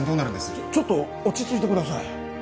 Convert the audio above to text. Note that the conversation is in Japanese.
ちょちょっと落ち着いてください。